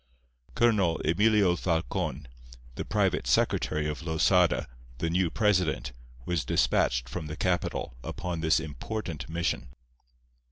Colonel Emilio Falcon, the private secretary of Losada, the new president, was despatched from the capital upon this important mission.